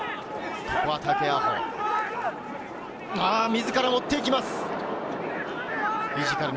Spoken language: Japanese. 自ら持っていきます。